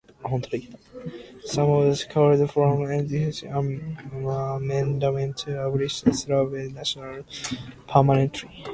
Some of these called for a constitutional amendment to abolish slavery nationally and permanently.